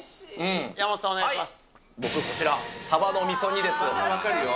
山本さん、お願いします。